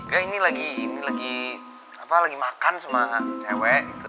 kayaknya ini lagi ini lagi apa lagi makan sama cewek